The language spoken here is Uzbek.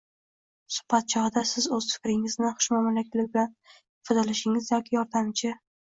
Suhbat chog‘ida siz o‘z fikringizni xushmuomalalik bilan ifodalashingiz yoki yordamchi, e